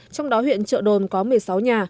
trong đó huyện trợ đồn có một mươi sáu nhà